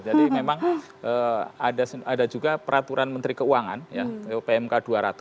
jadi memang ada juga peraturan menteri keuangan pmk dua ratus